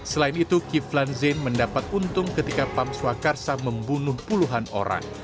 selain itu kiflan zain mendapat untung ketika pam swakarsa membunuh puluhan orang